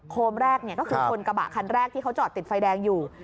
โคมแรกก็คือชนกระบะคันแรกที่เขาจอดติดไฟแดงอยู่